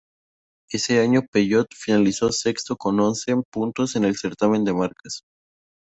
Ese año Peugeot finalizó sexto con once puntos en el certamen de marcas.